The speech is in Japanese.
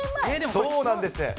そうなんです。